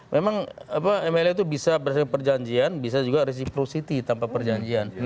memang mla itu bisa berhasil perjanjian bisa juga reciprocity tanpa perjanjian